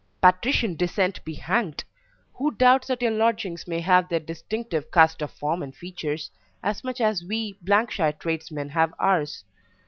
"Patrician descent be hanged! Who doubts that your lordlings may have their 'distinctive cast of form and features' as much as we shire tradesmen have ours?